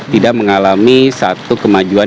tidak mengalami satu kemajuan